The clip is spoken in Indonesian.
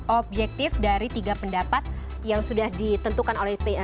objektif dari tiga pendapat yang sudah ditentukan oleh